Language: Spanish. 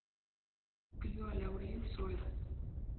Crio a Laurie sola.